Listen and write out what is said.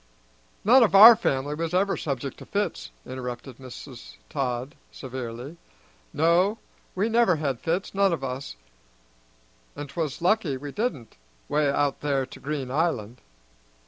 "None of our family was ever subject to fits," interrupted Mrs. Todd severely. "No, we never had fits, none of us; and 'twas lucky we didn't 'way out there to Green Island.